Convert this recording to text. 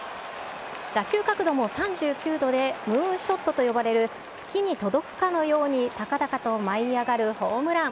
打球角度も３９度で、ムーンショットと呼ばれる月に届くかのように高々と舞い上がるホームラン。